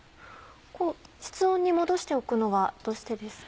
室温に戻しておくのはどうしてですか？